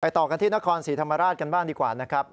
ต่อกันที่นครศรีธรรมราชกันบ้างดีกว่านะครับ